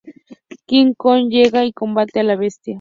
King Kong llega y combate a la bestia.